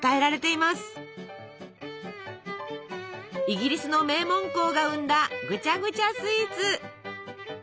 イギリスの名門校が生んだぐちゃぐちゃスイーツ。